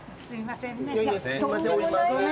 とんでもないです。